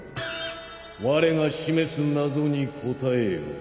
われが示す謎に答えよ。